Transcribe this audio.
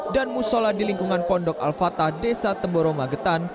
dan musholat di lingkungan pondok al fatah desa temboro magetan